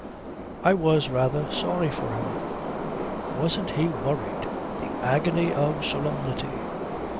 I was rather sorry for him. Wasn't he worried! The agony of solemnity.